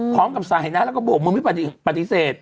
พร้อมกับสายนะแล้วก็บอกมึงไม่ปฏิเสธ